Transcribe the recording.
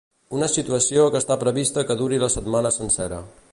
Una situació que està prevista que duri la setmana sencera.